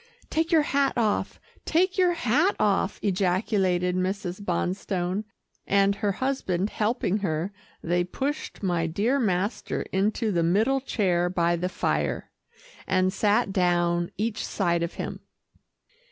"Take your hat off, take your hat off," ejaculated Mrs. Bonstone, and her husband helping her, they pushed my dear master into the middle chair by the fire, and sat down each side of him.